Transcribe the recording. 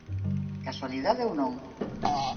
Casualidade ou non?